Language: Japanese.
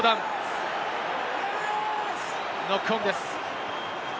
ノックオンです。